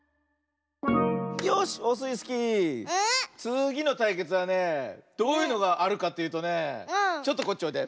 よしオスイスキーつぎのたいけつはねどういうのがあるかというとねちょっとこっちおいで。